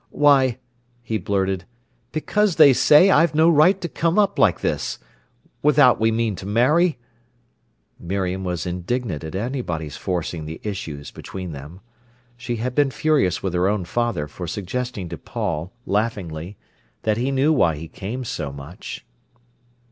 "Why," he blurted, "because they say I've no right to come up like this—without we mean to marry—" Miriam was indignant at anybody's forcing the issues between them. She had been furious with her own father for suggesting to Paul, laughingly, that he knew why he came so much.